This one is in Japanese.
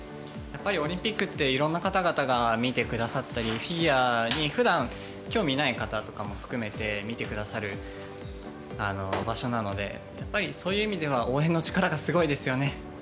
やっぱりオリンピックって、いろんな方々が見てくださったり、フィギュアにふだん、興味ない方とかも含めて見てくださる場所なので、やっぱり、そういう意味では、応援の力がすごいですよね。